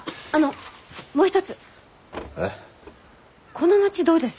この町どうです？